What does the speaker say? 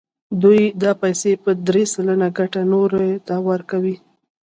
دوی دا پیسې په درې سلنه ګټه نورو ته ورکوي